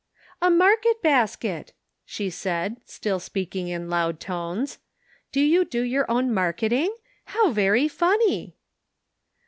" A market basket !" she said, still speak ing in loud tones. " Do you do your own marketing? How very funny!"